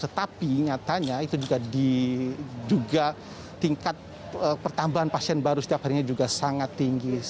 tetapi nyatanya itu juga diduga tingkat pertambahan pasien baru setiap harinya juga sangat tinggi